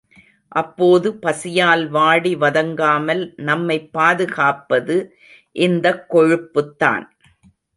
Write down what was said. அப்போது, பசியால் வாடி வதங்காமல் நம்மைப் பாதுகாப்பது இந்தக் கொழுப்புத் தான்.